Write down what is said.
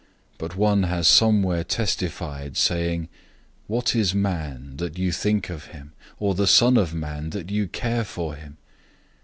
002:006 But one has somewhere testified, saying, "What is man, that you think of him? Or the son of man, that you care for him?